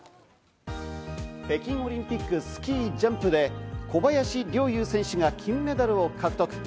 北京オリンピックスキージャンプで小林陵侑選手が金メダルを獲得。